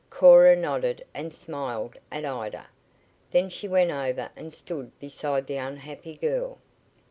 Cora nodded and smiled at Ida. Then she went over and stood beside the unhappy girl.